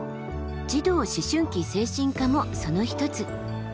児童・思春期精神科もその一つ。